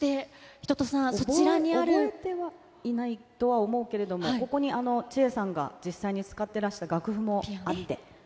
そして一青さん、そちらにあ覚えてはいないと思うけれども、ここに千恵さんが実際に使ってらした楽譜もあって。